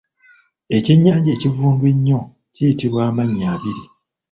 Ekyennyanja ekivundu ennyo kiyitibwa amannya abiri.